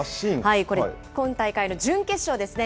これ、今大会の準決勝ですね。